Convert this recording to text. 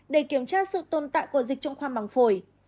để kiểm tra sự tồn tại của dịch trong khoang bằng phổi